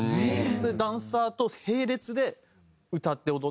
それでダンサーと並列で歌って踊って自分が。